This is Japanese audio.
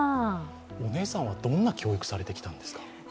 お姉さんはどんな教育をされてきたんですか？